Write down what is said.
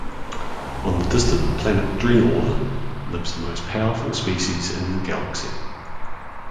On the distant planet Dreenor lives the most powerful species in the Galaxy.